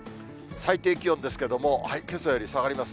最低気温ですけども、けさより下がりますね。